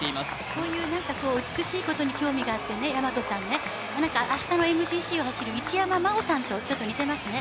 そういう美しいことに興味あって、明日のＭＧＣを走る一山麻緒さんと似てますね。